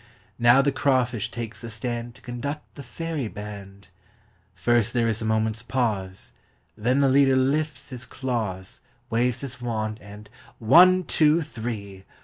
Now the crawfish takes the stand To conduct the fairy band. First there is a momentâs pause, Then the leader lifts his claws, Waves his wand, and one, two, three!